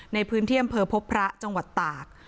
ในพื้นที่อำเภอพบพระจังหวัดตาก